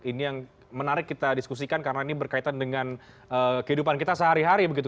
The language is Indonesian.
ini yang menarik kita diskusikan karena ini berkaitan dengan kehidupan kita sehari hari begitu